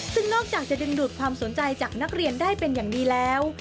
ซึ่งนอกจากจะดึงดูดความสนใจจากนักเรียนได้เป็นอย่างดีแล้ว